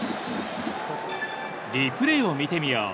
リプレーを見てみよう。